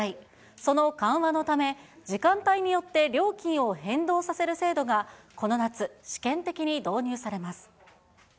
その緩和のため、時間帯によって料金を変動させる制度がこの夏、試験的に導入されます。